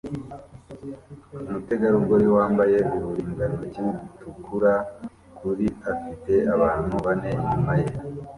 Umutegarugori wambaye uturindantoki dutukura kuriafite abantu bane inyuma ye